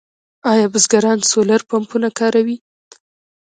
آیا بزګران سولر پمپونه کاروي؟